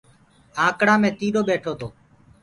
آنڪڙآ مي ٽيڏو ٻيٺو تو۔